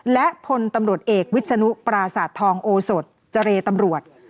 และพลตำรวจเอกวิศนุปราสาททองโอสดเจรตำรวจ